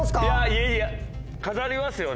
家に飾りますよね